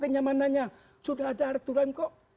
kenyamanannya sudah ada aturan kok